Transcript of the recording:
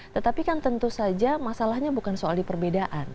tetapi kan tentu saja masalahnya bukan soal di perbedaan